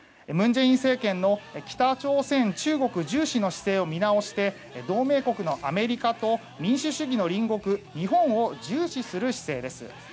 文在寅政権の北朝鮮、中国重視の姿勢を見直して同盟国のアメリカと民主主義の隣国・日本を重視する姿勢です。